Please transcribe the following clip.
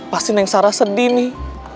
pasti neng sarah sedih nih